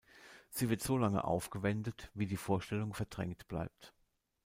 Sie wird solange aufgewendet, wie die Vorstellung verdrängt bleibt.